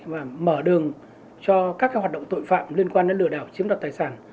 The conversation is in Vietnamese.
và mở đường cho các hoạt động tội phạm liên quan đến lừa đảo chiếm đoạt tài sản